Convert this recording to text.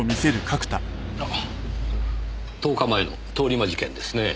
１０日前の通り魔事件ですねぇ。